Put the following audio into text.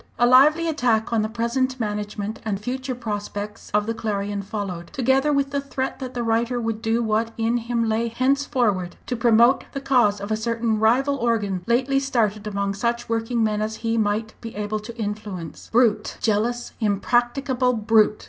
A lively attack on the present management and future prospects of the Clarion followed, together with the threat that the writer would do what in him lay henceforward to promote the cause of a certain rival organ lately started, among such working men as he might be able to influence. "Brute! jealous, impracticable brute!"